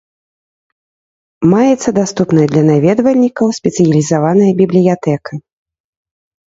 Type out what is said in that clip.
Маецца даступная для наведвальнікаў спецыялізаваная бібліятэка.